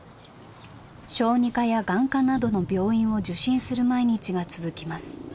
小児科や眼科などの病院を受診する毎日が続きます。